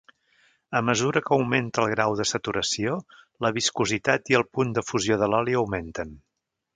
A mesura que augmenta el grau de saturació, la viscositat i el punt de fusió de l'oli augmenten.